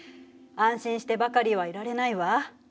安心してばかりはいられないわ。